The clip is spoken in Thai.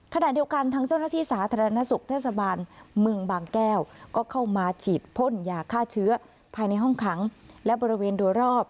ขณะเดียวกันทางเจ้าหน้าที่สาธารณสุขเทศบาลเมืองบางแก้วก็เข้ามาฉีดพ่นยาฆ่าเชื้อภายในห้องขังและบริเวณโดยรอบ